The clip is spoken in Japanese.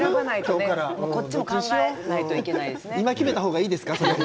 こっちも考えないといけないですね。